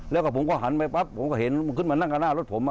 แล้วก็ผมก็หันไปปั๊บผมก็เห็นขึ้นมานั่งกับหน้ารถผม